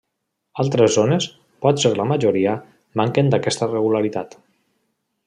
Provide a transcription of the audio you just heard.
Altres zones, potser la majoria, manquen d'aquesta regularitat.